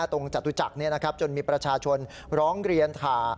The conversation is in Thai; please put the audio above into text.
ตรงจัตุจักรนี้นะครับจนมีประชาชนร้องเรียนถ่า